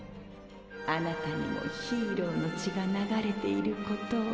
貴方にもヒーローの血が流れていることを。